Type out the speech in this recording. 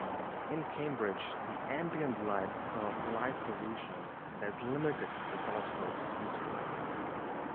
In Cambridge the ambient light caused light pollution that limited the telescope's usefulness.